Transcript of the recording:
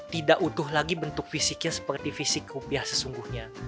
tidak utuh lagi bentuk fisiknya seperti fisik rupiah sesungguhnya